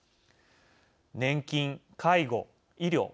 年金・介護・医療。